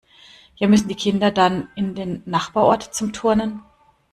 Ja müssen die Kinder dann in den Nachbarort zum Turnen?